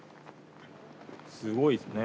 すごいですね。